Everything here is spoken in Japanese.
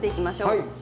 はい。